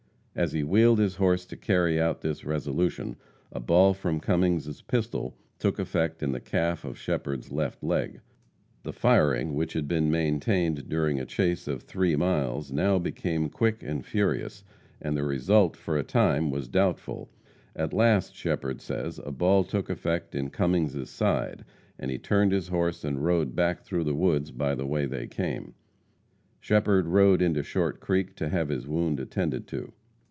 As he wheeled his horse to carry out this resolution, a ball from Cummings' pistol took effect in the calf of Shepherd's left leg. The firing which had been maintained during a chase of three miles, now became quick and furious, and the result for a time was doubtful. At last, Shepherd says, a ball took effect in Cummings' side, and he turned his horse and rode back through the woods by the way they came. Shepherd rode into Short Creek to have his wound attended to.